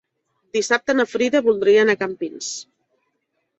Dissabte na Frida voldria anar a Campins.